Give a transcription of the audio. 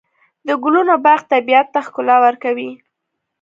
د ګلونو باغ طبیعت ته ښکلا ورکوي.